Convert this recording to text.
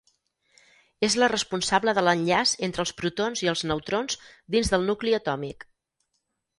És la responsable de l'enllaç entre els protons i els neutrons dins del nucli atòmic.